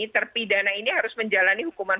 terpidana ini harus menjalani hukuman